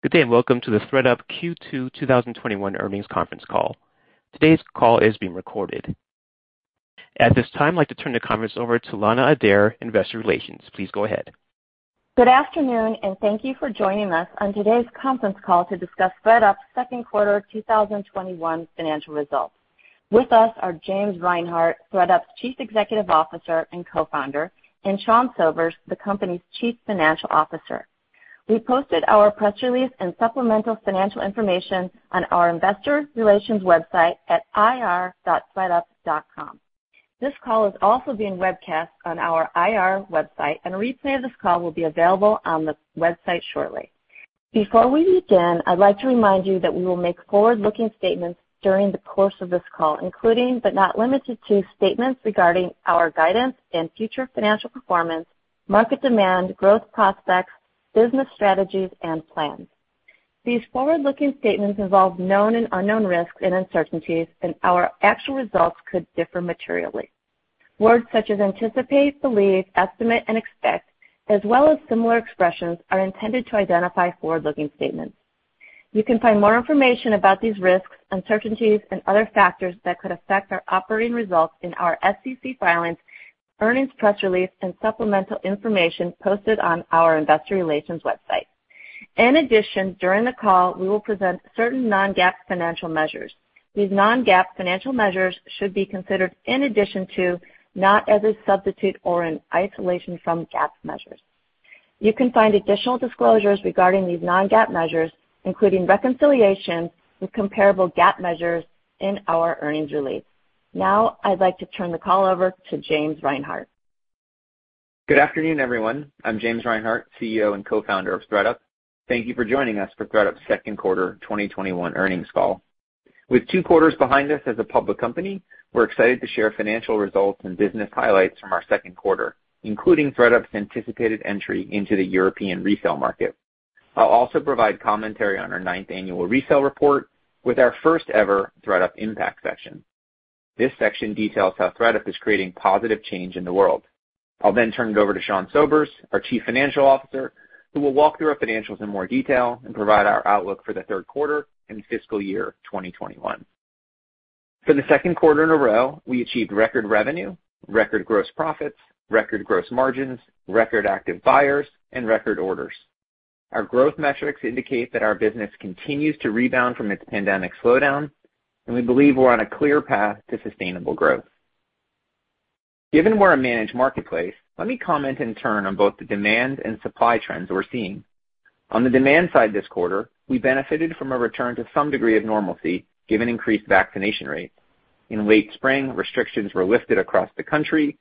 Good day, and welcome to the ThredUp Q2 2021 Earnings Conference Call. Today's call is being recorded. At this time, I'd like to turn the conference over to Lana Adair, Investor Relations. Please go ahead. Good afternoon, and thank you for joining us on today's conference call to discuss ThredUp's second quarter 2021 Financial Results. With us are James Reinhart, ThredUp's Chief Executive Officer and Co-founder, and Sean Sobers, the company's Chief Financial Officer. We posted our press release and supplemental financial information on our investor relations website at ir.thredup.com. This call is also being webcast on our IR website, and a replay of this call will be available on the website shortly. Before we begin, I'd like to remind you that we will make forward-looking statements during the course of this call, including, but not limited to, statements regarding our guidance and future financial performance, market demand, growth prospects, business strategies, and plans. These forward-looking statements involve known and unknown risks and uncertainties, and our actual results could differ materially. Words such as "anticipate," "believe," "estimate," and "expect," as well as similar expressions, are intended to identify forward-looking statements. You can find more information about these risks, uncertainties, and other factors that could affect our operating results in our SEC filings, earnings press release, and supplemental information posted on our investor relations website. In addition, during the call, we will present certain non-GAAP financial measures. These non-GAAP financial measures should be considered in addition to, not as a substitute or in isolation from, GAAP measures. You can find additional disclosures regarding these non-GAAP measures, including reconciliation with comparable GAAP measures, in our earnings release. I'd like to turn the call over to James Reinhart. Good afternoon, everyone. I'm James Reinhart, CEO and Co-founder of ThredUp. Thank you for joining us for ThredUp's second quarter 2021 earnings call. With two quarters behind us as a public company, we're excited to share financial results and business highlights from our second quarter, including ThredUp's anticipated entry into the European resale market. I'll also provide commentary on our ninth annual Resale Report with our first ever ThredUp Impact section. This section details how ThredUp is creating positive change in the world. I'll then turn it over to Sean Sobers, our Chief Financial Officer, who will walk through our financials in more detail and provide our outlook for the third quarter and fiscal year 2021. For the second quarter in a row, we achieved record revenue, record gross profits, record gross margins, record active buyers, and record orders. Our growth metrics indicate that our business continues to rebound from its pandemic slowdown, and we believe we're on a clear path to sustainable growth. Given we're a managed marketplace, let me comment in turn on both the demand and supply trends we're seeing. On the demand side this quarter, we benefited from a return to some degree of normalcy given increased vaccination rates. In late spring, restrictions were lifted across the country,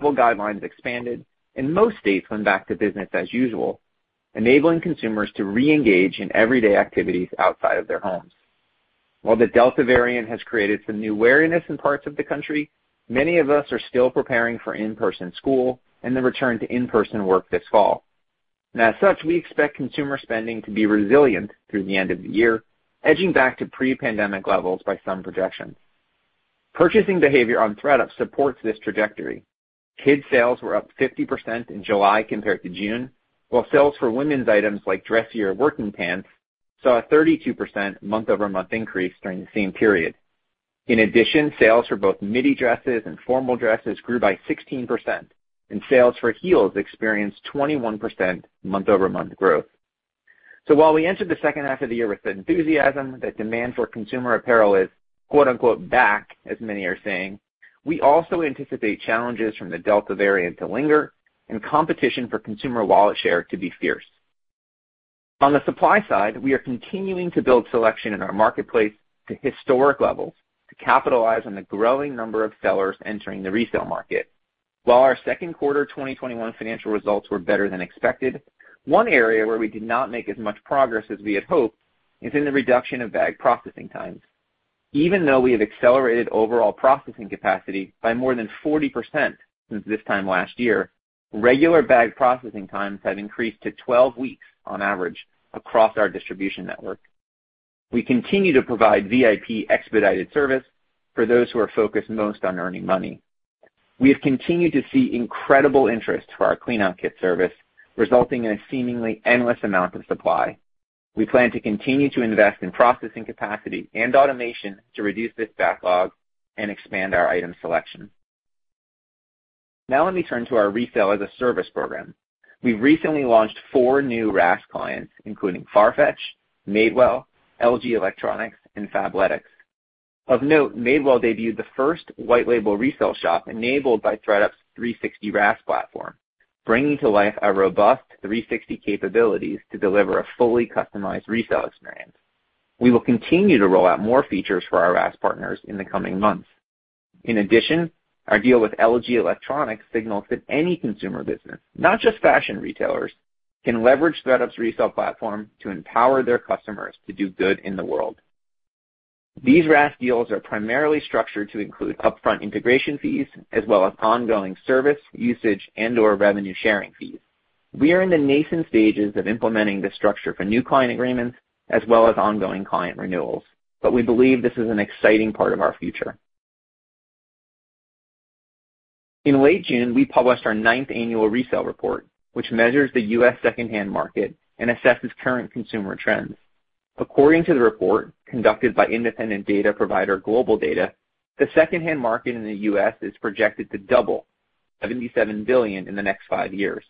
travel guidelines expanded, and most states went back to business as usual, enabling consumers to reengage in everyday activities outside of their homes. While the Delta variant has created some new wariness in parts of the country, many of us are still preparing for in-person school and the return to in-person work this fall. As such, we expect consumer spending to be resilient through the end of the year, edging back to pre-pandemic levels by some projections. Purchasing behavior on ThredUp supports this trajectory. Kids' sales were up 50% in July compared to June, while sales for women's items like dressier working pants saw a 32% month-over-month increase during the same period. In addition, sales for both midi dresses and formal dresses grew by 16%, and sales for heels experienced 21% month-over-month growth. While we enter the second half of the year with enthusiasm that demand for consumer apparel is, quote-unquote, "back," as many are saying, we also anticipate challenges from the Delta variant to linger and competition for consumer wallet share to be fierce. On the supply side, we are continuing to build selection in our marketplace to historic levels to capitalize on the growing number of sellers entering the resale market. While our second quarter 2021 financial results were better than expected, one area where we did not make as much progress as we had hoped is in the reduction of bag processing times. Even though we have accelerated overall processing capacity by more than 40% since this time last year, regular bag processing times have increased to 12 weeks on average across our distribution network. We continue to provide VIP expedited service for those who are focused most on earning money. We have continued to see incredible interest for our cleanout kit service, resulting in a seemingly endless amount of supply. We plan to continue to invest in processing capacity and automation to reduce this backlog and expand our item selection. Let me turn to our Resale as a Service program. We've recently launched four new RaaS clients, including FARFETCH, Madewell, LG Electronics, and Fabletics. Of note, Madewell debuted the first white label resale shop enabled by ThredUp's 360 RaaS platform, bringing to life our robust 360 capabilities to deliver a fully customized resale experience. We will continue to roll out more features for our RaaS partners in the coming months. Our deal with LG Electronics signals that any consumer business, not just fashion retailers, can leverage ThredUp's resale platform to empower their customers to do good in the world. These RaaS deals are primarily structured to include upfront integration fees as well as ongoing service, usage, and/or revenue sharing fees. We are in the nascent stages of implementing this structure for new client agreements as well as ongoing client renewals, but we believe this is an exciting part of our future. In late June, we published our ninth annual resale report, which measures the U.S. secondhand market and assesses current consumer trends. According to the report, conducted by independent data provider GlobalData, the secondhand market in the U.S. is projected to double, $77 billion in the next five years.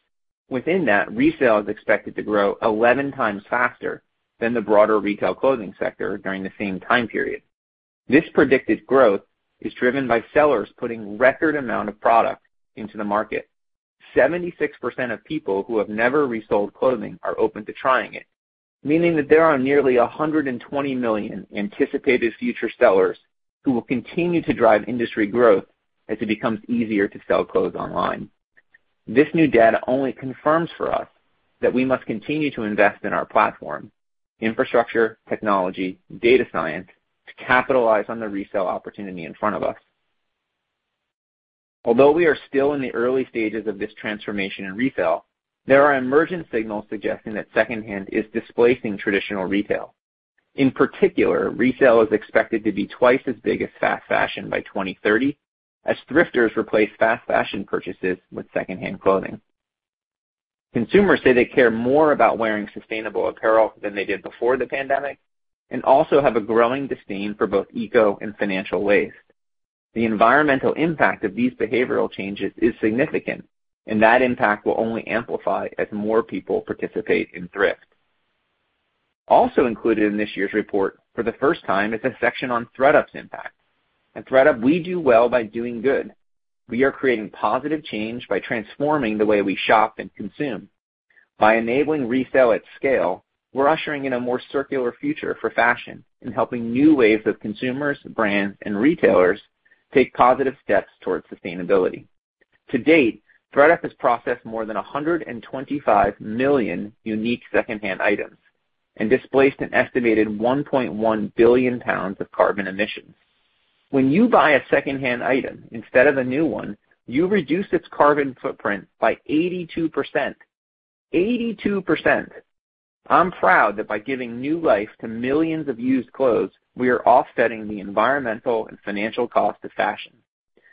Within that, resale is expected to grow 11 times faster than the broader retail clothing sector during the same time period. This predicted growth is driven by sellers putting record amount of product into the market. 76% of people who have never resold clothing are open to trying it, meaning that there are nearly 120 million anticipated future sellers who will continue to drive industry growth as it becomes easier to sell clothes online. This new data only confirms for us that we must continue to invest in our platform, infrastructure, technology, data science, to capitalize on the resale opportunity in front of us. Although we are still in the early stages of this transformation in resale, there are emergent signals suggesting that secondhand is displacing traditional retail. In particular, resale is expected to be twice as big as fast fashion by 2030 as thrifters replace fast fashion purchases with secondhand clothing. Consumers say they care more about wearing sustainable apparel than they did before the pandemic, and also have a growing disdain for both eco and financial waste. The environmental impact of these behavioral changes is significant, and that impact will only amplify as more people participate in thrift. Also included in this year's report for the first time is a section on ThredUp's impact. At ThredUp, we do well by doing good. We are creating positive change by transforming the way we shop and consume. By enabling resale at scale, we're ushering in a more circular future for fashion and helping new waves of consumers, brands, and retailers take positive steps towards sustainability. To date, ThredUp has processed more than 125 million unique secondhand items and displaced an estimated 1.1 billion pounds of carbon emissions. When you buy a secondhand item instead of a new one, you reduce its carbon footprint by 82%. 82%. I'm proud that by giving new life to millions of used clothes, we are offsetting the environmental and financial cost of fashion.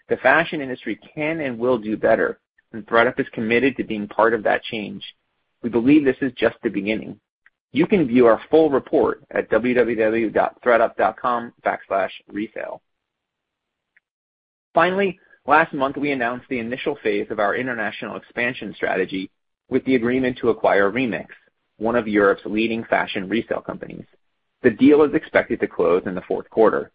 The fashion industry can and will do better, and ThredUp is committed to being part of that change. We believe this is just the beginning. You can view our full report at www.thredup.com/resale. Finally, last month, we announced the initial phase of our international expansion strategy with the agreement to acquire Remix, one of Europe's leading fashion resale companies. The deal is expected to close in the fourth quarter.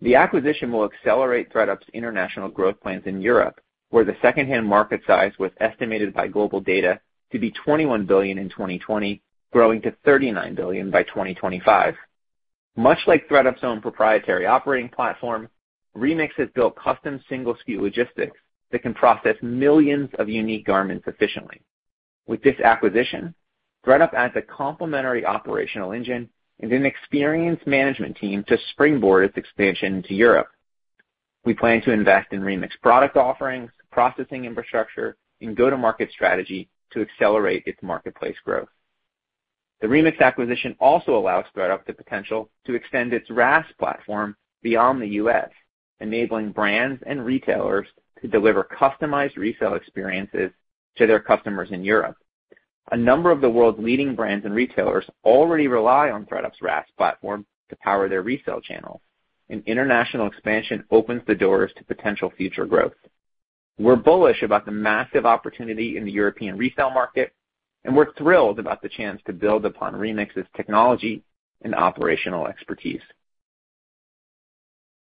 The acquisition will accelerate ThredUp's international growth plans in Europe, where the secondhand market size was estimated by GlobalData to be $21 billion in 2020, growing to $39 billion by 2025. Much like ThredUp's own proprietary operating platform, Remix has built custom single SKU logistics that can process millions of unique garments efficiently. With this acquisition, ThredUp adds a complementary operational engine and an experienced management team to springboard its expansion to Europe. We plan to invest in Remix product offerings, processing infrastructure, and go-to-market strategy to accelerate its marketplace growth. The Remix acquisition also allows ThredUp the potential to extend its RaaS platform beyond the U.S., enabling brands and retailers to deliver customized resale experiences to their customers in Europe. A number of the world's leading brands and retailers already rely on ThredUp's RaaS platform to power their resale channels. An international expansion opens the doors to potential future growth. We're bullish about the massive opportunity in the European resale market, and we're thrilled about the chance to build upon Remix's technology and operational expertise.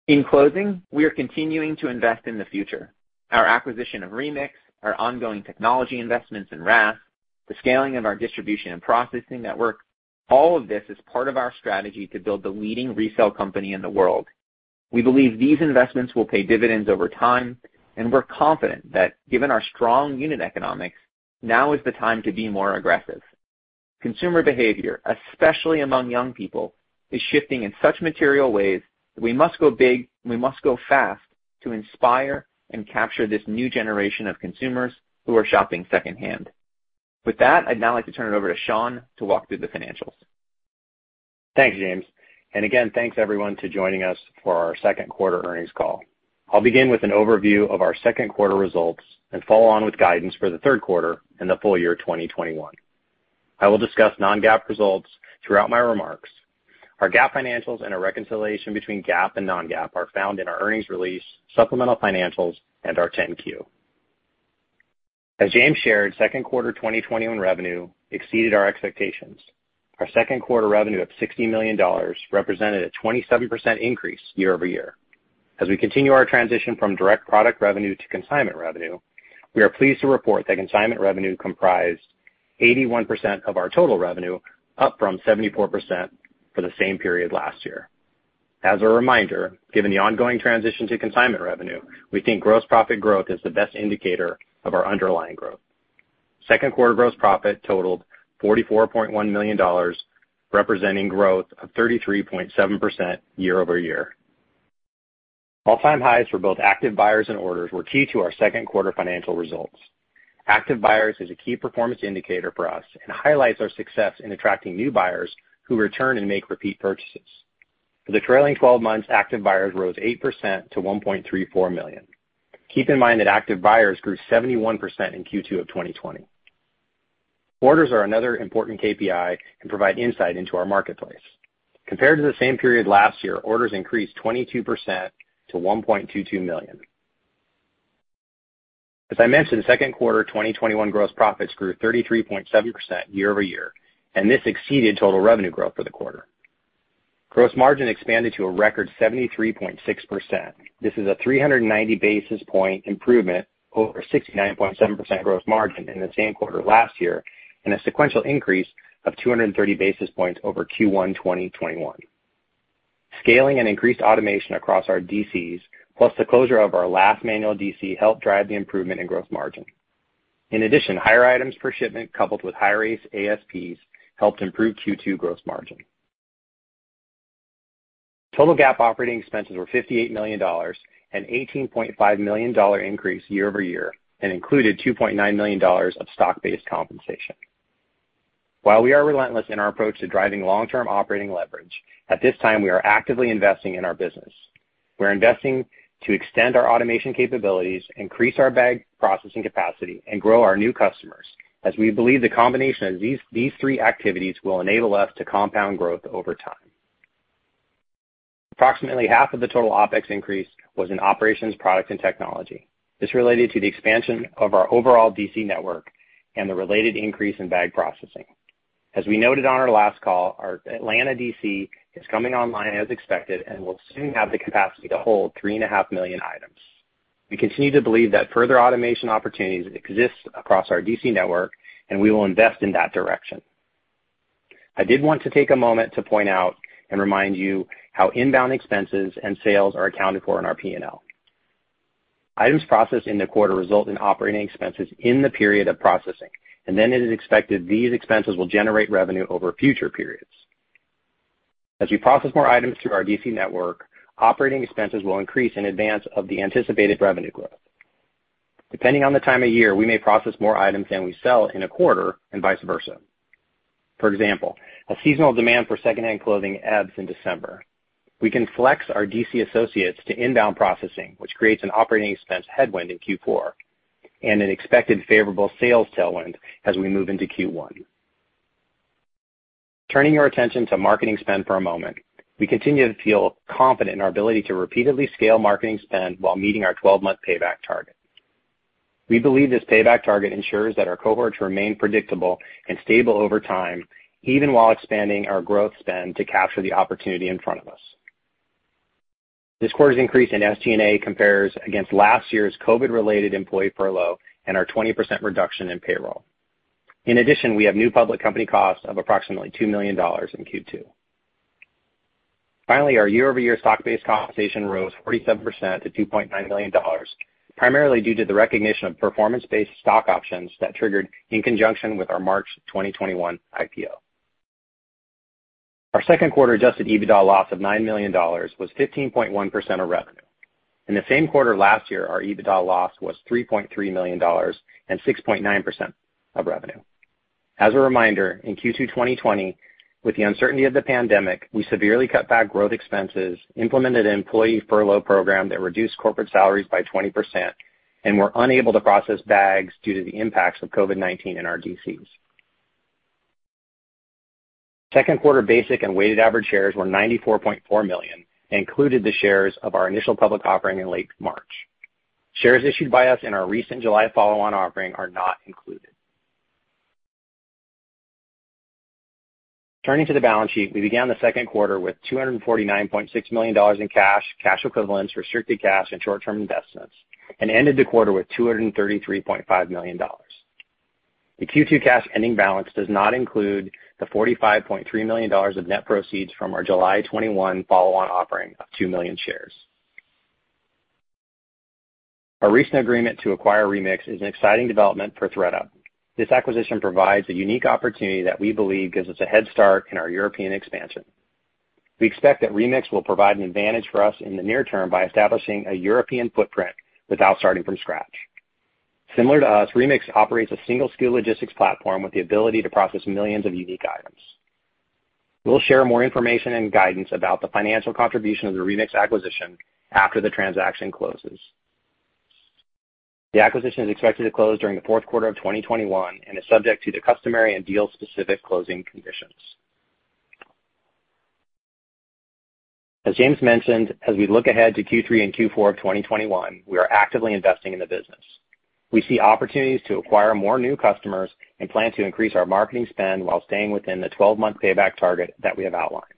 In closing, we are continuing to invest in the future. Our acquisition of Remix, our ongoing technology investments in RaaS, the scaling of our distribution and processing network, all of this is part of our strategy to build the leading resale company in the world. We believe these investments will pay dividends over time, and we're confident that given our strong unit economics, now is the time to be more aggressive. Consumer behavior, especially among young people, is shifting in such material ways that we must go big and we must go fast to inspire and capture this new generation of consumers who are shopping secondhand. With that, I'd now like to turn it over to Sean to walk through the financials. Thanks, James. Again, thanks everyone for joining us for our second quarter earnings call. I will begin with an overview of our second quarter results and follow on with guidance for the third quarter and the full year 2021. I will discuss non-GAAP results throughout my remarks. Our GAAP financials and a reconciliation between GAAP and non-GAAP are found in our earnings release, supplemental financials, and our 10-Q. As James shared, second quarter 2021 revenue exceeded our expectations. Our second quarter revenue of $60 million represented a 27% increase year-over-year. As we continue our transition from direct product revenue to consignment revenue, we are pleased to report that consignment revenue comprised 81% of our total revenue, up from 74% for the same period last year. As a reminder, given the ongoing transition to consignment revenue, we think gross profit growth is the best indicator of our underlying growth. Second quarter gross profit totaled $44.1 million, representing growth of 33.7% year-over-year. All-time highs for both active buyers and orders were key to our second quarter financial results. Active buyers is a key performance indicator for us and highlights our success in attracting new buyers who return and make repeat purchases. For the trailing 12 months, active buyers rose 8% to 1.34 million. Keep in mind that active buyers grew 71% in Q2 2020. Orders are another important KPI, and provide insight into our marketplace. Compared to the same period last year, orders increased 22% to 1.22 million. As I mentioned, second quarter 2021 gross profits grew 33.7% year-over-year, and this exceeded total revenue growth for the quarter. Gross margin expanded to a record 73.6%. This is a 390 basis point improvement over 69.7% gross margin in the same quarter last year, and a sequential increase of 230 basis points over Q1 2021. Scaling and increased automation across our DCs, plus the closure of our last manual DC, helped drive the improvement in gross margin. In addition, higher items per shipment, coupled with higher ASPs, helped improve Q2 gross margin. Total GAAP operating expenses were $58 million, an $18.5 million increase year-over-year, and included $2.9 million of stock-based compensation. While we are relentless in our approach to driving long-term operating leverage, at this time, we are actively investing in our business. We're investing to extend our automation capabilities, increase our bag processing capacity, and grow our new customers, as we believe the combination of these three activities will enable us to compound growth over time. Approximately half of the total OpEx increase was in operations, product, and technology. This related to the expansion of our overall DC network and the related increase in bag processing. As we noted on our last call, our Atlanta DC is coming online as expected and will soon have the capacity to hold 3.5 million items. We continue to believe that further automation opportunities exist across our DC network, and we will invest in that direction. I did want to take a moment to point out and remind you how inbound expenses and sales are accounted for in our P&L. Items processed in the quarter result in operating expenses in the period of processing, and then it is expected these expenses will generate revenue over future periods. As we process more items through our DC network, operating expenses will increase in advance of the anticipated revenue growth. Depending on the time of year, we may process more items than we sell in a quarter, and vice versa. For example, a seasonal demand for secondhand clothing ebbs in December. We can flex our DC associates to inbound processing, which creates an operating expense headwind in Q4, and an expected favorable sales tailwind as we move into Q1. Turning your attention to marketing spend for a moment. We continue to feel confident in our ability to repeatedly scale marketing spend while meeting our 12-month payback target. We believe this payback target ensures that our cohorts remain predictable and stable over time, even while expanding our growth spend to capture the opportunity in front of us. This quarter's increase in SG&A compares against last year's COVID-related employee furlough and our 20% reduction in payroll. In addition, we have new public company costs of approximately $2 million in Q2. Our year-over-year stock-based compensation rose 47% to $2.9 million, primarily due to the recognition of performance-based stock options that triggered in conjunction with our March 2021 IPO. Our second quarter Adjusted EBITDA loss of $9 million was 15.1% of revenue. In the same quarter last year, our EBITDA loss was $3.3 million and 6.9% of revenue. As a reminder, in Q2 2020, with the uncertainty of the pandemic, we severely cut back growth expenses, implemented an employee furlough program that reduced corporate salaries by 20%, and were unable to process bags due to the impacts of COVID-19 in our DCs. Second quarter basic and weighted average shares were 94.4 million, and included the shares of our initial public offering in late March. Shares issued by us in our recent July follow-on offering are not included. Turning to the balance sheet, we began the second quarter with $249.6 million in cash equivalents, restricted cash, and short-term investments, and ended the quarter with $233.5 million. The Q2 cash ending balance does not include the $45.3 million of net proceeds from our July 21 follow-on offering of 2 million shares. Our recent agreement to acquire Remix is an exciting development for ThredUp. This acquisition provides a unique opportunity that we believe gives us a head start in our European expansion. We expect that Remix will provide an advantage for us in the near term by establishing a European footprint without starting from scratch. Similar to us, Remix operates a single SKU logistics platform with the ability to process millions of unique items. We'll share more information and guidance about the financial contribution of the Remix acquisition after the transaction closes. The acquisition is expected to close during the fourth quarter of 2021, and is subject to the customary and deal-specific closing conditions. As James mentioned, as we look ahead to Q3 and Q4 of 2021, we are actively investing in the business. We see opportunities to acquire more new customers and plan to increase our marketing spend while staying within the 12-month payback target that we have outlined.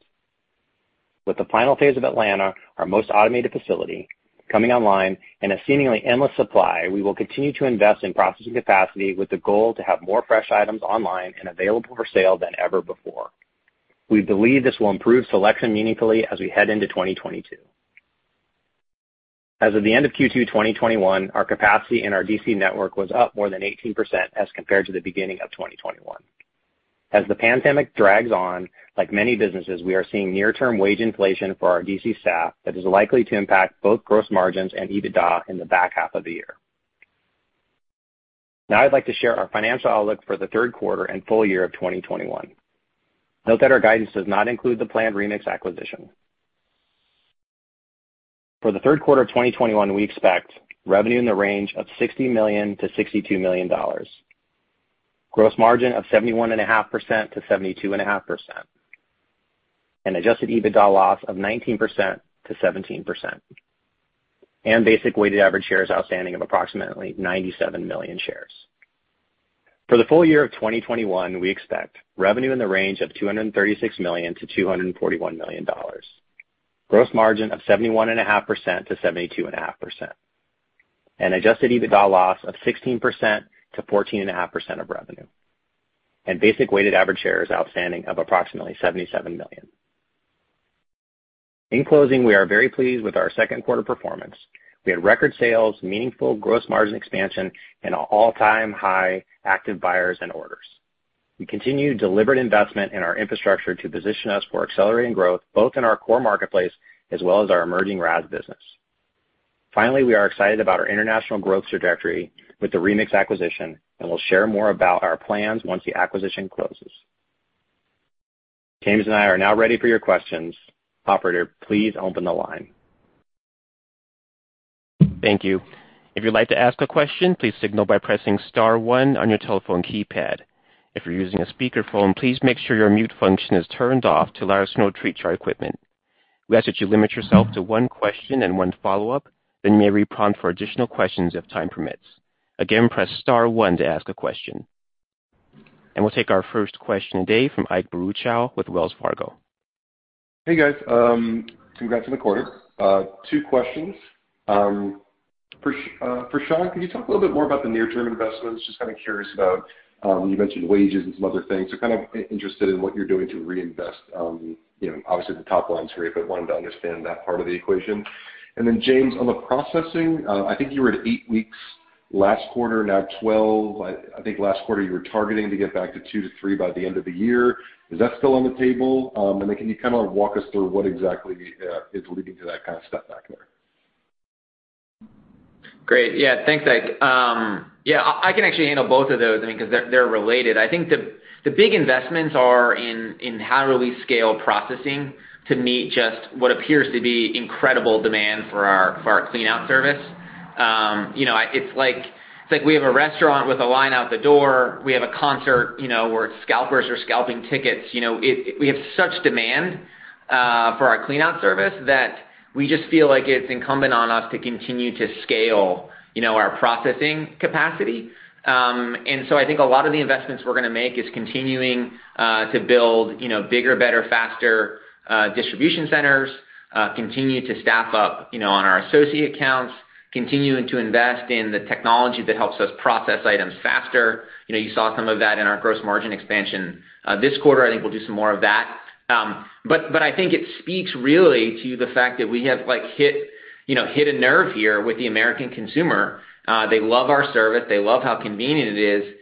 With the final phase of Atlanta, our most automated facility, coming online, and a seemingly endless supply, we will continue to invest in processing capacity with the goal to have more fresh items online and available for sale than ever before. We believe this will improve selection meaningfully as we head into 2022. As of the end of Q2 2021, our capacity in our DC network was up more than 18% as compared to the beginning of 2021. As the pandemic drags on, like many businesses, we are seeing near-term wage inflation for our DC. staff that is likely to impact both gross margins and EBITDA in the back half of the year. I'd like to share our financial outlook for the third quarter and full year of 2021. Note that our guidance does not include the planned Remix acquisition. For the third quarter of 2021, we expect revenue in the range of $60 million-$62 million, gross margin of 71.5%-72.5%, and Adjusted EBITDA loss of 19%-17%, and basic weighted average shares outstanding of approximately 97 million shares. For the full year of 2021, we expect revenue in the range of $236 million-$241 million, gross margin of 71.5%-72.5%, and Adjusted EBITDA loss of 16%-14.5% of revenue, and basic weighted average shares outstanding of approximately 77 million. In closing, we are very pleased with our second quarter performance. We had record sales, meaningful gross margin expansion, and all-time high active buyers and orders. We continue deliberate investment in our infrastructure to position us for accelerating growth, both in our core marketplace as well as our emerging RaaS business. Finally, we are excited about our international growth trajectory with the Remix acquisition, and we'll share more about our plans once the acquisition closes. James and I are now ready for your questions. Operator, please open the line. Thank you. If you'd like to ask a question, please signal by pressing *1 on your telephone keypad. If you're using a speakerphone, please make sure your mute function is turned off to allow us to obstruct your equipment. We ask that you limit yourself to 1 question and 1 follow-up, then may re-prompt for additional questions if time permits, and we'll take our first question today from Ike Boruchow with Wells Fargo. Hey, guys. Congrats on the quarter. Two questions. For Sean, can you talk a little bit more about the near-term investments? Just kind of curious about, you mentioned wages and some other things. Kind of interested in what you're doing to reinvest. Obviously, the top line's great, but wanted to understand that part of the equation. James, on the processing, I think you were at eight weeks last quarter, now 12. I think last quarter you were targeting to get back to 2-3 by the end of the year. Is that still on the table? Can you kind of walk us through what exactly is leading to that kind of step back there? Great. Yeah, thanks, Ike. Yeah, I can actually handle both of those, because they're related. I think the big investments are in how do we scale processing to meet just what appears to be incredible demand for our clean out service. It's like we have a restaurant with a line out the door. We have a concert where scalpers are scalping tickets. We have such demand for our clean out service that we just feel like it's incumbent on us to continue to scale our processing capacity. I think a lot of the investments we're going to make is continuing to build bigger, better, faster distribution centers, continue to staff up on our associate accounts, continuing to invest in the technology that helps us process items faster. You saw some of that in our gross margin expansion this quarter. I think we'll do some more of that. I think it speaks really to the fact that we have hit a nerve here with the American consumer. They love our service. They love how convenient it is.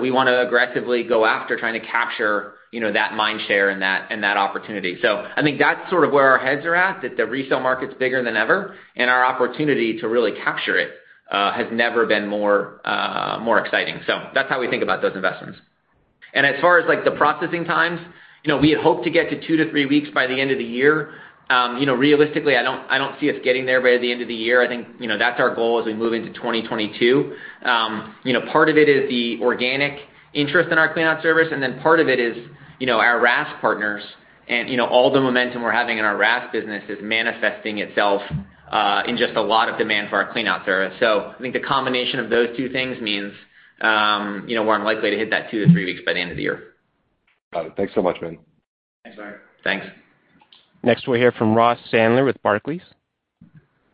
We want to aggressively go after trying to capture that mind share and that opportunity. I think that's sort of where our heads are at, that the resale market's bigger than ever, and our opportunity to really capture it has never been more exciting. That's how we think about those investments. As far as the processing times, we had hoped to get to 2-3 weeks by the end of the year. Realistically, I don't see us getting there by the end of the year. I think that's our goal as we move into 2022. Part of it is the organic interest in our clean out service, and then part of it is our RaaS partners and all the momentum we're having in our RaaS business is manifesting itself in just a lot of demand for our clean out service. I think the combination of those two things means we're unlikely to hit that two to three weeks by the end of the year. Got it. Thanks so much, Rein. Thanks, Ike. Thanks. Next we'll hear from Ross Sandler with Barclays.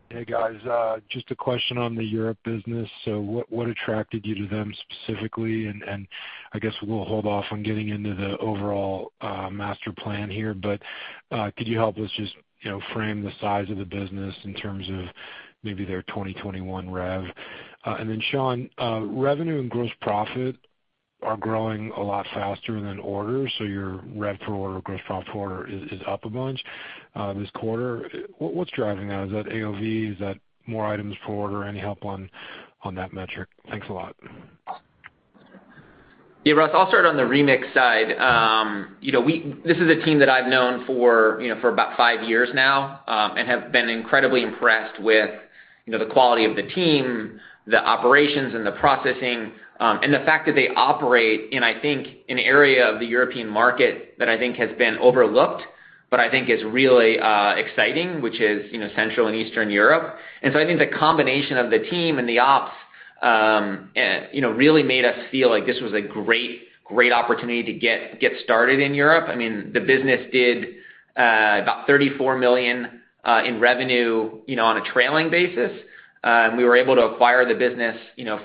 Hey, guys. Just a question on the Europe business. What attracted you to them specifically? I guess we'll hold off on getting into the overall master plan here, but could you help us just frame the size of the business in terms of maybe their 2021 rev? Sean, revenue and gross profit are growing a lot faster than orders. Your rev per order, gross profit order is up a bunch this quarter. What's driving that? Is that AOV? Is that more items per order? Any help on that metric? Thanks a lot. Yeah, Ross, I'll start on the Remix side. This is a team that I've known for about five years now and have been incredibly impressed with the quality of the team, the operations and the processing, and the fact that they operate in, I think, an area of the European market that I think has been overlooked, but I think is really exciting, which is Central and Eastern Europe. I think the combination of the team and the ops really made us feel like this was a great opportunity to get started in Europe. The business did about $34 million in revenue on a trailing basis. We were able to acquire the business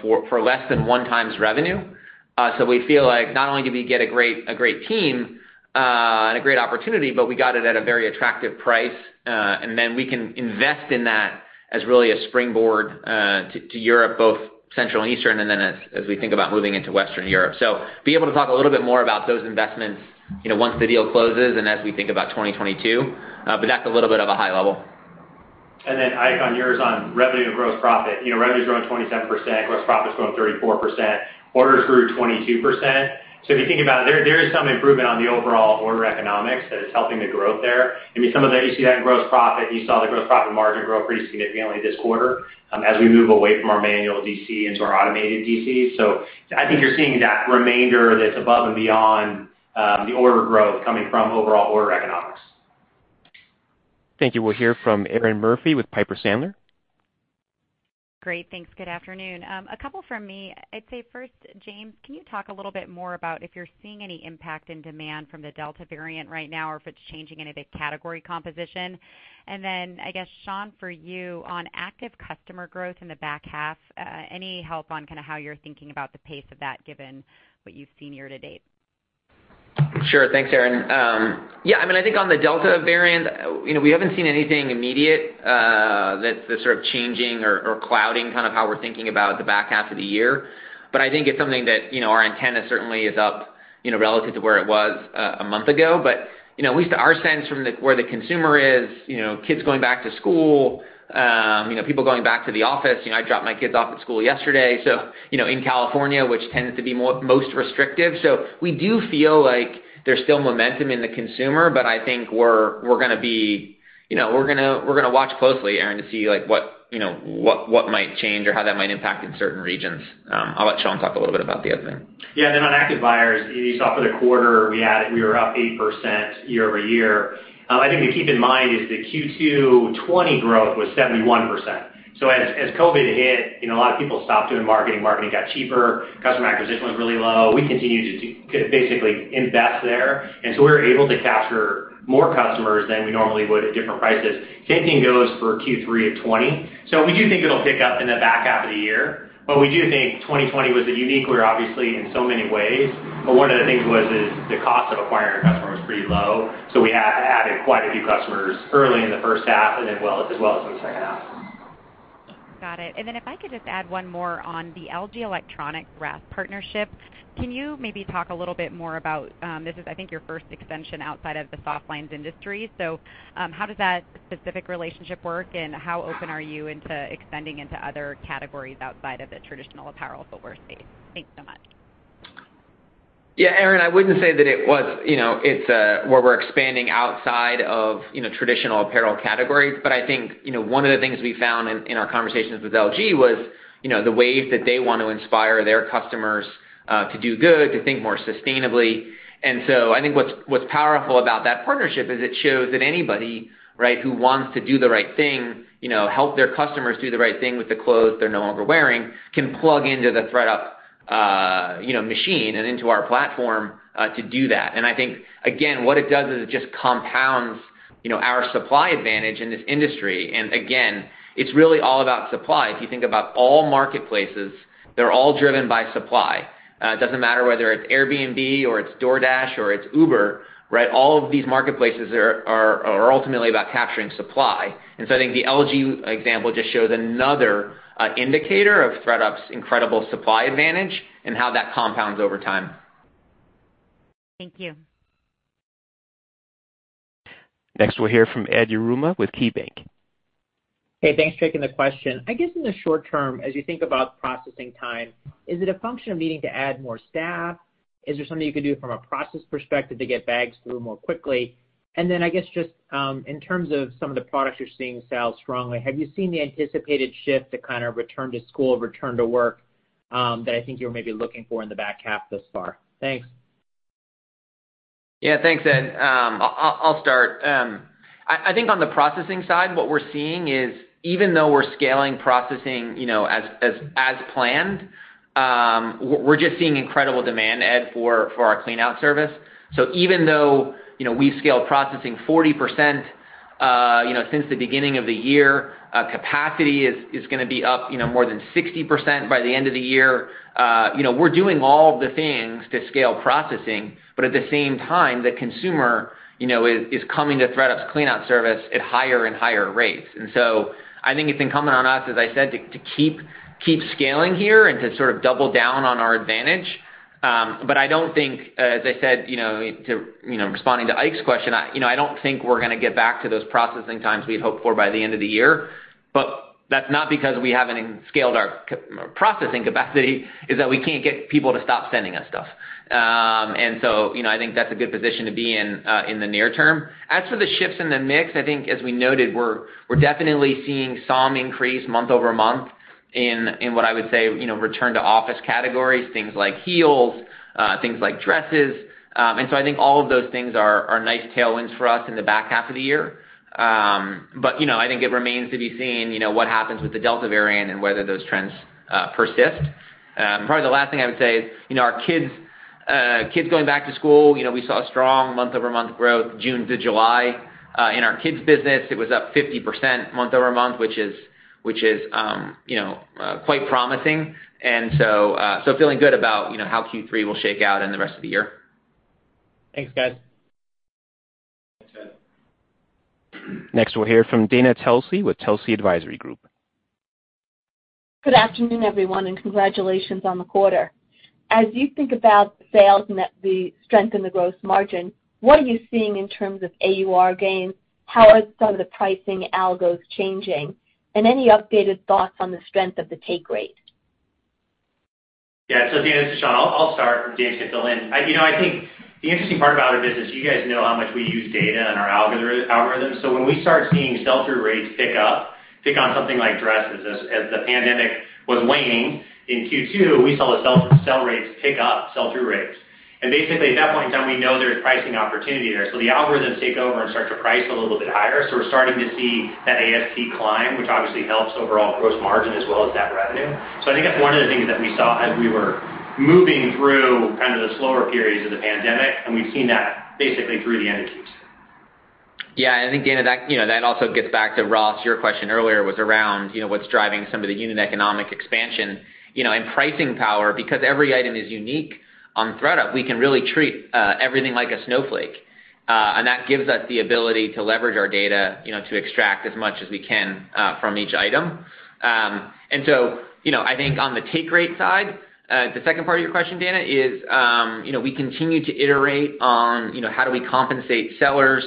for less than 1x revenue. We feel like not only did we get a great team and a great opportunity, but we got it at a very attractive price, and then we can invest in that as really a springboard to Europe, both Central and Eastern, and then as we think about moving into Western Europe. We will be able to talk a little bit more about those investments once the deal closes and as we think about 2022. That's a little bit of a high level. Ike, on yours, on revenue and gross profit. Revenue's growing 27%, gross profit's growing 34%. Orders grew 22%. If you think about it, there is some improvement on the overall order economics that is helping the growth there. I mean, some of that you see that in gross profit. You saw the gross profit margin grow pretty significantly this quarter as we move away from our manual DC into our automated DC. I think you're seeing that remainder that's above and beyond the order growth coming from overall order economics. Thank you. We'll hear from Erinn Murphy with Piper Sandler. Great. Thanks. Good afternoon. A couple from me. I'd say first, James, can you talk a little bit more about if you're seeing any impact in demand from the Delta variant right now, or if it's changing any of the category composition? I guess, Sean, for you, on active customer growth in the back half, any help on kind of how you're thinking about the pace of that given what you've seen year to date? Sure. Thanks, Erinn. I think on the Delta variant, we haven't seen anything immediate that's sort of changing or clouding kind of how we're thinking about the back half of the year. I think it's something that our antenna certainly is up, relative to where it was a month ago. At least our sense from where the consumer is, kids going back to school, people going back to the office, I dropped my kids off at school yesterday, so in California, which tends to be most restrictive. We do feel like there's still momentum in the consumer, but I think we're going to watch closely, Erinn, to see what might change or how that might impact in certain regions. I'll let Sean talk a little bit about the other thing. On active buyers, you saw for the quarter, we were up 8% year-over-year. I think to keep in mind is the Q2 2020 growth was 71%. As COVID hit, a lot of people stopped doing marketing. Marketing got cheaper. Customer acquisition was really low. We continued to basically invest there, and so we were able to capture more customers than we normally would at different prices. Same thing goes for Q3 2020. We do think it'll pick up in the back half of the year, but we do think 2020 was a unique year, obviously, in so many ways. One of the things was is the cost of acquiring a customer was pretty low, so we added quite a few customers early in the first half and as well as in the second half. Got it. If I could just add one more on the LG Electronics RaaS partnership, can you maybe talk a little bit more about, this is, I think, your first extension outside of the softlines industry. How does that specific relationship work, and how open are you into extending into other categories outside of the traditional apparel footwear space? Thanks so much. Yeah, Erinn, I wouldn't say that it's where we're expanding outside of traditional apparel categories. I think, one of the things we found in our conversations with LG was the ways that they want to inspire their customers, to do good, to think more sustainably. I think what's powerful about that partnership is it shows that anybody who wants to do the right thing, help their customers do the right thing with the clothes they're no longer wearing, can plug into the ThredUp machine and into our platform to do that. I think, again, what it does is it just compounds our supply advantage in this industry. Again, it's really all about supply. If you think about all marketplaces, they're all driven by supply. It doesn't matter whether it's Airbnb or it's DoorDash or it's Uber, all of these marketplaces are ultimately about capturing supply. I think the LG example just shows another indicator of ThredUp's incredible supply advantage and how that compounds over time. Thank you. Next, we'll hear from Ed Yruma with KeyBanc. Hey, thanks. Taking the question. I guess in the short term, as you think about processing time, is it a function of needing to add more staff? Is there something you could do from a process perspective to get bags through more quickly? I guess just, in terms of some of the products you're seeing sell strongly, have you seen the anticipated shift to kind of return to school, return to work, that I think you were maybe looking for in the back half thus far? Thanks. Thanks, Ed Yruma. I'll start. I think on the processing side, what we're seeing is even though we're scaling processing as planned, we're just seeing incredible demand, Ed Yruma, for our cleanout service. Even though we've scaled processing 40% since the beginning of the year, capacity is going to be up more than 60% by the end of the year. We're doing all the things to scale processing, but at the same time, the consumer is coming to ThredUp's cleanout service at higher and higher rates. I think it's incumbent on us, as I said, to keep scaling here and to sort of double down on our advantage. I don't think, as I said, responding to Ike Boruchow's question, I don't think we're going to get back to those processing times we had hoped for by the end of the year. That's not because we haven't scaled our processing capacity. It's that we can't get people to stop sending us stuff. I think that's a good position to be in the near term. As for the shifts in the mix, I think as we noted, we're definitely seeing some increase month-over-month in what I would say, return to office categories, things like heels, things like dresses. I think all of those things are nice tailwinds for us in the back half of the year. I think it remains to be seen what happens with the Delta variant and whether those trends persist. Probably the last thing I would say is, our kids going back to school, we saw strong month-over-month growth June to July. In our kids business, it was up 50% month-over-month, which is quite promising. Feeling good about how Q3 will shake out in the rest of the year. Thanks, guys. [inaudible] Next, we'll hear from Dana Telsey with Telsey Advisory Group. Good afternoon, everyone, and congratulations on the quarter. As you think about sales and the strength in the gross margin, what are you seeing in terms of AUR gain? How are some of the pricing algos changing? Any updated thoughts on the strength of the take rate? Dana, this is Sean. I'll start, and James can fill in. I think the interesting part about our business, you guys know how much we use data and our algorithms. When we start seeing sell-through rates pick up, pick on something like dresses, as the pandemic was waning in Q2, we saw the sell-through rates pick up. Basically, at that point in time, we know there's pricing opportunity there. The algorithms take over and start to price a little bit higher. We're starting to see that ASP climb, which obviously helps overall gross margin as well as that revenue. I think that's one of the things that we saw as we were moving through kind of the slower periods of the pandemic, and we've seen that basically through the end of Q2. Yeah. I think, Dana, that also gets back to Ross, your question earlier was around what's driving some of the unit economic expansion, and pricing power. Because every item is unique on ThredUp, we can really treat everything like a snowflake. That gives us the ability to leverage our data, to extract as much as we can from each item. I think on the take rate side, the second part of your question, Dana, is we continue to iterate on how do we compensate sellers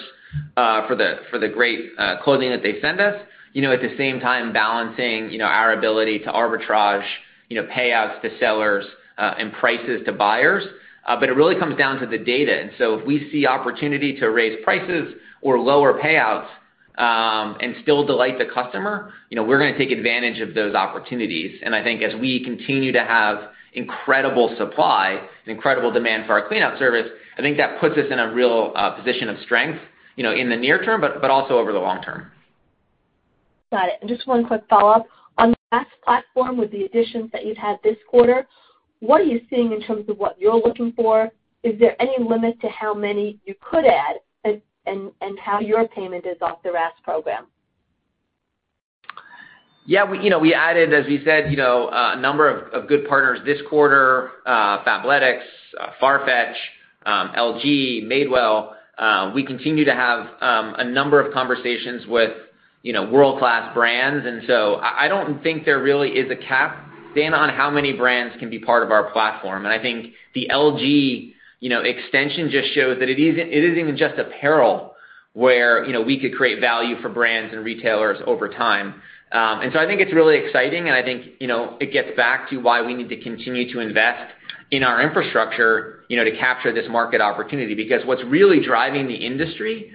for the great clothing that they send us, at the same time balancing our ability to arbitrage payouts to sellers and prices to buyers. But it really comes down to the data. If we see opportunity to raise prices or lower payouts, and still delight the customer, we're going to take advantage of those opportunities. I think as we continue to have incredible supply and incredible demand for our cleanup service, I think that puts us in a real position of strength, in the near term, but also over the long term. Got it. Just one quick follow-up. On the RaaS platform, with the additions that you've had this quarter, what are you seeing in terms of what you're looking for? Is there any limit to how many you could add and how your payment is off the RaaS program? Yeah. We added, as we said, a number of good partners this quarter, Fabletics, FARFETCH, LG, Madewell. We continue to have a number of conversations with world-class brands. I don't think there really is a cap, Dana, on how many brands can be part of our platform. I think the LG extension just shows that it isn't even just apparel where we could create value for brands and retailers over time. I think it's really exciting, and I think it gets back to why we need to continue to invest in our infrastructure to capture this market opportunity. Because what's really driving the industry,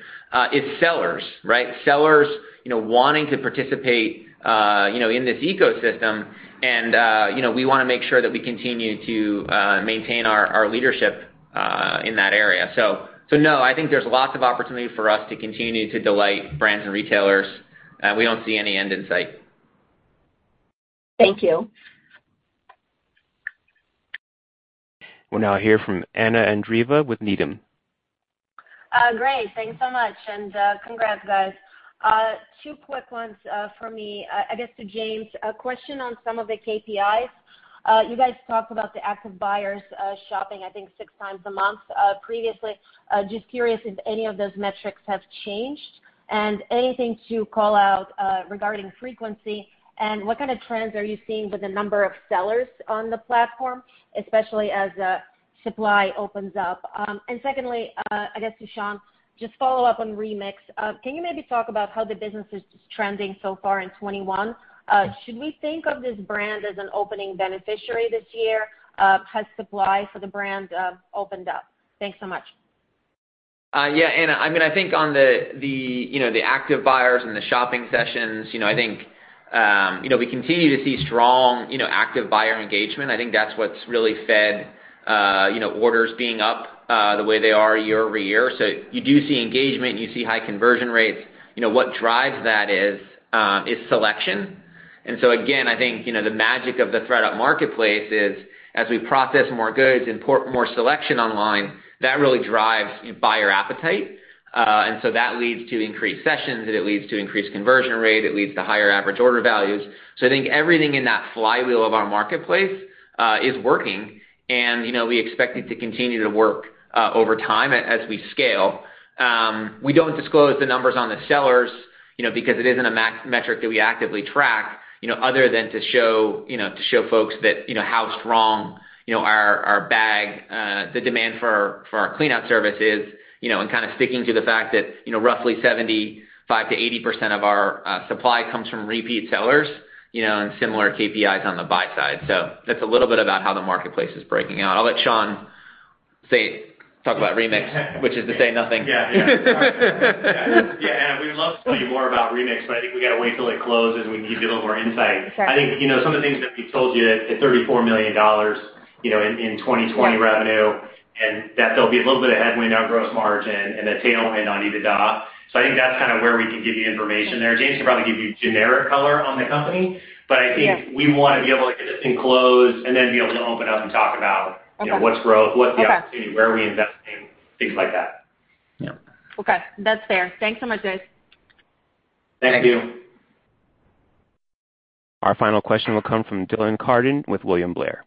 is sellers, right? Sellers wanting to participate in this ecosystem, and we want to make sure that we continue to maintain our leadership in that area. No, I think there's lots of opportunity for us to continue to delight brands and retailers. We don't see any end in sight. Thank you. We'll now hear from Anna Andreeva with Needham. Great. Thanks so much, and congrats, guys. Two quick ones from me, I guess to James. A question on some of the KPIs. You guys talked about the active buyers shopping, I think, six times a month, previously. Just curious if any of those metrics have changed. Anything to call out, regarding frequency, and what kind of trends are you seeing with the number of sellers on the platform, especially as supply opens up? Secondly, I guess to Sean, just follow up on Remix. Can you maybe talk about how the business is trending so far in 2021? Should we think of this brand as an opening beneficiary this year? Has supply for the brand opened up? Thanks so much. Yeah, Anna. I think on the active buyers and the shopping sessions, we continue to see strong active buyer engagement. I think that's what's really fed orders being up the way they are year-over-year. You do see engagement, and you see high conversion rates. What drives that is selection. Again, I think, the magic of the ThredUp marketplace is as we process more goods and port more selection online, that really drives buyer appetite. That leads to increased sessions, and it leads to increased conversion rate. It leads to higher average order values. I think everything in that flywheel of our marketplace is working, and we expect it to continue to work over time as we scale. We don't disclose the numbers on the sellers, because it isn't a metric that we actively track, other than to show folks how strong the demand for our cleanup service is, and kind of sticking to the fact that roughly 75%-80% of our supply comes from repeat sellers, and similar KPIs on the buy side. That's a little bit about how the marketplace is breaking out. I'll let Sean talk about Remix, which is to say nothing. Yeah. We'd love to tell you more about Remix, but I think we got to wait till it closes, and we can give you a little more insight. Sure. I think, some of the things that we told you, the $34 million in 2020 revenue, and that there'll be a little bit of headwind on gross margin and a tailwind on EBITDA. I think that's kind of where we can give you information there. James can probably give you generic color on the company, but I think we want to be able to get this thing closed and then be able to open up and talk about what's growth, what's the opportunity, where are we investing, things like that. Yeah. Okay. That's fair. Thanks so much, guys. Thank you. Thank you. Our final question will come from Dylan Carden with William Blair.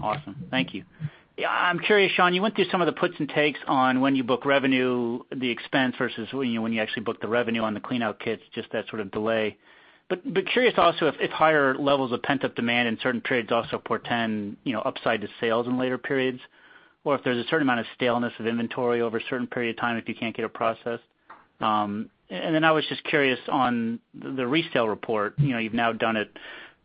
Awesome. Thank you. I'm curious, Sean, you went through some of the puts and takes on when you book revenue, the expense versus when you actually book the revenue on the clean-out kits, just that sort of delay. Curious also if higher levels of pent-up demand in certain trades also portend upside to sales in later periods, or if there's a certain amount of staleness of inventory over a certain period of time if you can't get it processed. I was just curious on the Resale Report. You've now done it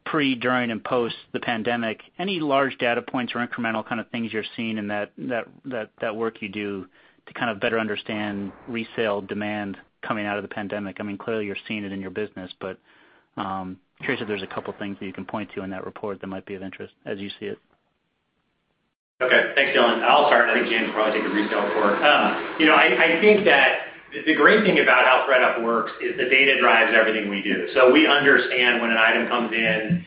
pre, during, and post the pandemic. Any large data points or incremental kind of things you're seeing in that work you do to kind of better understand resale demand coming out of the pandemic? Clearly, you're seeing it in your business, but curious if there's a couple things that you can point to in that report that might be of interest as you see it. Okay. Thanks, Dylan. I'll start. I think James will probably take the resale report. I think that the great thing about how ThredUp works is the data drives everything we do. We understand when an item comes in,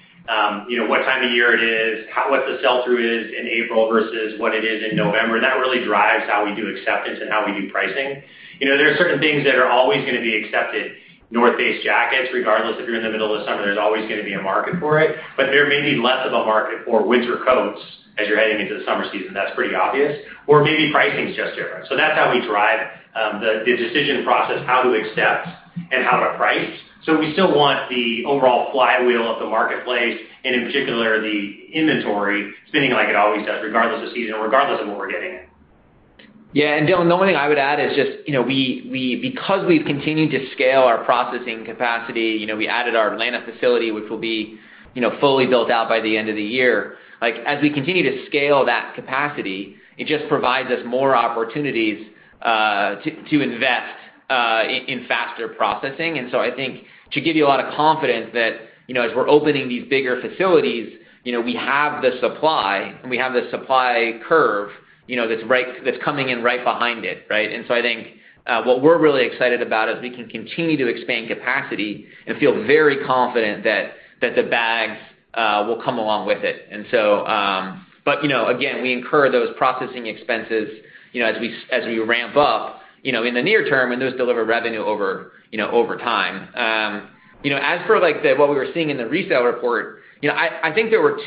what time of year it is, what the sell-through is in April versus what it is in November, and that really drives how we do acceptance and how we do pricing. There are certain things that are always going to be accepted. North Face jackets, regardless if you're in the middle of the summer, there's always going to be a market for it. There may be less of a market for winter coats as you're heading into the summer season. That's pretty obvious. Maybe pricing's just different. That's how we drive the decision process, how to accept and how to price. We still want the overall flywheel of the marketplace, and in particular, the inventory spinning like it always does, regardless of season, regardless of what we're getting in. Yeah. Dylan, the only thing I would add is just because we've continued to scale our processing capacity, we added our Atlanta facility, which will be fully built out by the end of the year. As we continue to scale that capacity, it just provides us more opportunities to invest in faster processing. I think to give you a lot of confidence that as we're opening these bigger facilities, we have the supply and we have the supply curve that's coming in right behind it, right? I think what we're really excited about is we can continue to expand capacity and feel very confident that the bags will come along with it. Again, we incur those processing expenses as we ramp up in the near term, and those deliver revenue over time. As for what we were seeing in the resale report, I think there were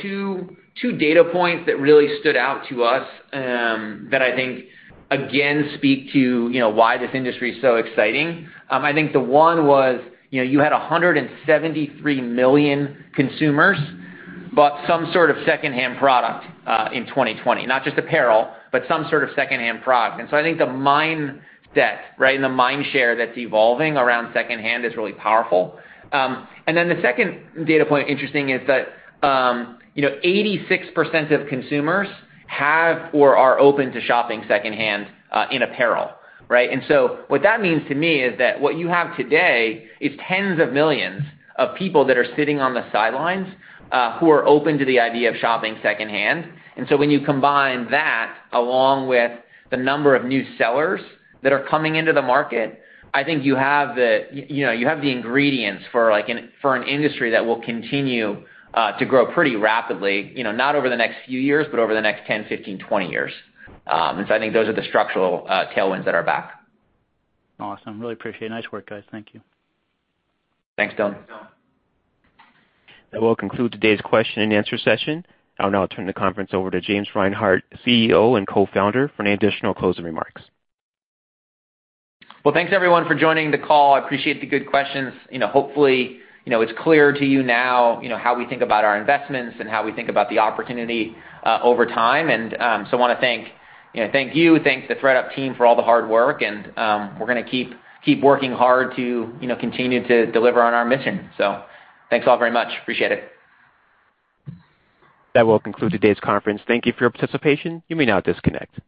two data points that really stood out to us that I think, again, speak to why this industry is so exciting. I think the one was you had 173 million consumers bought some sort of secondhand product in 2020. Not just apparel, but some sort of secondhand product. I think the mind debt, right, and the mind share that's evolving around secondhand is really powerful. The second data point interesting is that 86% of consumers have or are open to shopping secondhand in apparel, right? What that means to me is that what you have today is tens of millions of people that are sitting on the sidelines who are open to the idea of shopping secondhand. When you combine that along with the number of new sellers that are coming into the market, I think you have the ingredients for an industry that will continue to grow pretty rapidly, not over the next few years, but over the next 10, 15, 20 years. I think those are the structural tailwinds at our back. Awesome. Really appreciate it. Nice work, guys. Thank you. Thanks, Dylan. Thanks, Dylan. That will conclude today's question and answer session. I will now turn the conference over to James Reinhart, CEO and Co-Founder, for any additional closing remarks. Well, thanks everyone for joining the call. I appreciate the good questions. Hopefully, it's clear to you now how we think about our investments and how we think about the opportunity over time. Want to thank you, thank the ThredUp team for all the hard work, and we're going to keep working hard to continue to deliver on our mission. Thanks all very much. Appreciate it. That will conclude today's conference. Thank you for your participation. You may now disconnect.